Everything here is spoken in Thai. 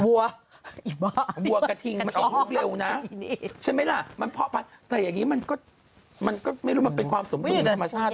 วัวกระทิงมันออกลูกเร็วนะใช่ไหมล่ะมันเพาะพันธุ์แต่อย่างนี้มันก็มันก็ไม่รู้มันเป็นความสมบูรณ์ธรรมชาติ